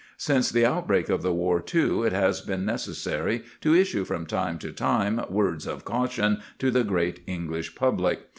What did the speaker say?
Since the outbreak of the war, too, it has been necessary to issue from time to time words of caution to the great English public.